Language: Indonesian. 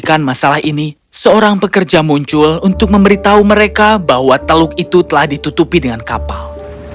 bukan masalah ini seorang pekerja muncul untuk memberitahu mereka bahwa teluk itu telah ditutupi dengan kapal